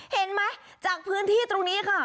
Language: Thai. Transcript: เห็นไหมจากพื้นที่ตรงนี้ค่ะ